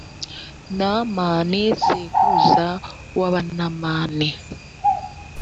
namani sekuruza w’abanamani.